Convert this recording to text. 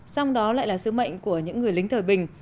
song đó lại là sứ mệnh của những người lính thời bình